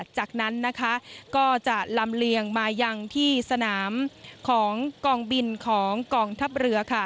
จากนั้นก็จะลำเลียงมายังที่สนามของกองบินของกองทัพเรือ